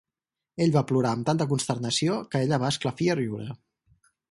Ell va plorar amb tanta consternació que ella va esclafir a riure.